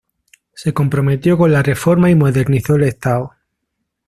Se comprometió con la Reforma y modernizó el estado.